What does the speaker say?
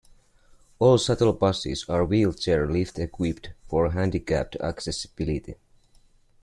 All shuttle buses are wheelchair lift-equipped for handicapped accessibility.